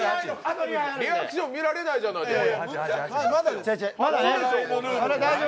リアクション見られないじゃないですか。